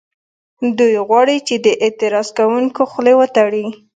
دوی غواړي چې د اعتراض کوونکو خولې وتړي